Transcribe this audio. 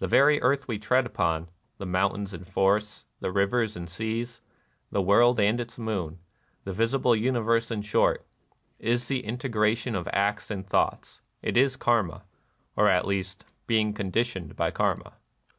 The very earth we tread upon, — the mountains and forests, the rivers and seas, the world and its moon, the visible uni verse in short, — is the integration of acts and thoughts, is Karma, or, at least, Being conditioned by Karma.